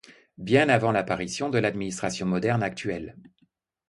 Bien avant l’apparition de l’administration moderne actuelle.